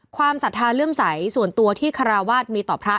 ศรัทธาเลื่อมใสส่วนตัวที่คาราวาสมีต่อพระ